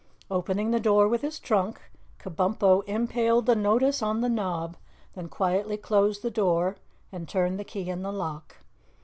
Opening the door with his trunk, Kabumpo impaled the notice on the knob, then quietly closed the door and turned the key in the lock.